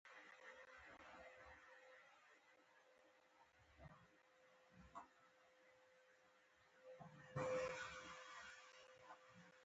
موج ځپلي ساحل باندې